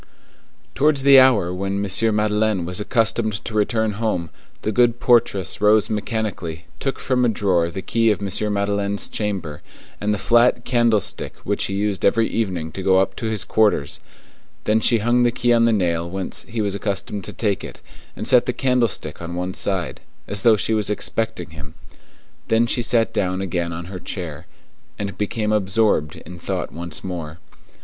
Towards the hour when M. Madeleine was accustomed to return home, the good portress rose mechanically, took from a drawer the key of M. Madeleine's chamber, and the flat candlestick which he used every evening to go up to his quarters; then she hung the key on the nail whence he was accustomed to take it, and set the candlestick on one side, as though she was expecting him. Then she sat down again on her chair, and became absorbed in thought once more.